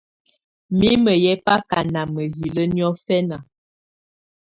Mimǝ̀ yɛ baka nà mahilǝ niɔ̀fɛna.